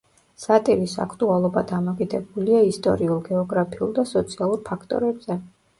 სატირის აქტუალობა დამოკიდებულია ისტორიულ, გეოგრაფიულ და სოციალურ ფაქტორებზე.